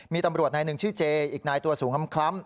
มีตำรวจนายหนึ่งชื่อเจอีกนายตัวสูงคล้ำ